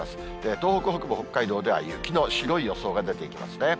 東北北部、北海道では雪の白い予想が出ていますね。